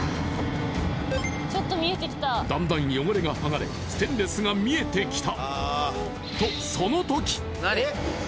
だんだん汚れが剥がれステンレスが見えてきた。